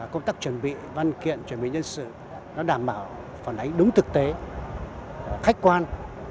công tác chuẩn bị văn kiện chuẩn bị nhân sự đảm bảo phản ánh đúng thực tế khách quan